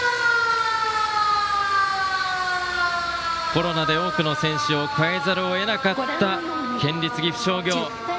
コロナで多くの選手を代えざるを得なかった県立岐阜商業。